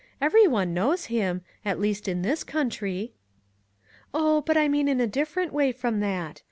Every one knows him ; at least, in this country." " Oh, but I mean in a different way from that.